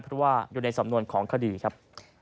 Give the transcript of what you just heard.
เพราะว่าอยู่ในสำนวนของคดีครับ